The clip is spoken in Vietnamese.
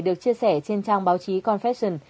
được chia sẻ trên trang báo chí confession